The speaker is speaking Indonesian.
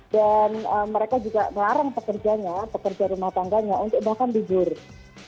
dan mereka juga melarang pekerja rumah tangganya untuk makan di jurus